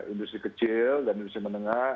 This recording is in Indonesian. industri kecil dan industri menengah